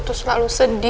aku tuh selalu sedih